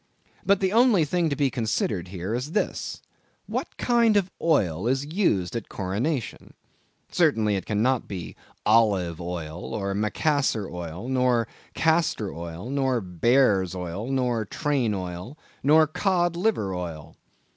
But the only thing to be considered here, is this—what kind of oil is used at coronations? Certainly it cannot be olive oil, nor macassar oil, nor castor oil, nor bear's oil, nor train oil, nor cod liver oil.